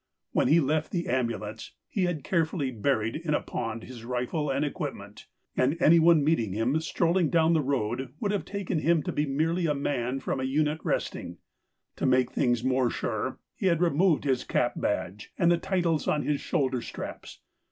When he left the ambulance, he had carefully buried in a pond his rifle and equip ment, and anyone meeting him strolling down the road would have taken him to be merely a man from a unit resting. To make things more sure, he had removed his cap badge, and the titles on his shoulder straps.